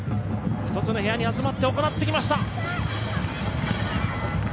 １つの部屋に集まって行ってきました。